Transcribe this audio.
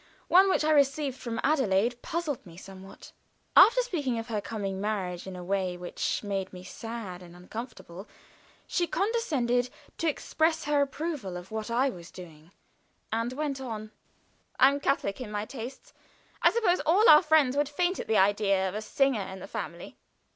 One, which I received from Adelaide, puzzled me somewhat. After speaking of her coming marriage in a way which made me sad and uncomfortable, she condescended to express her approval of what I was doing, and went on: "I am catholic in my tastes. I suppose all our friends would faint at the idea of there being a 'singer' in the family.